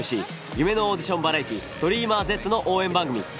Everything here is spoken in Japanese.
『夢のオーディションバラエティーＤｒｅａｍｅｒＺ』の応援番組。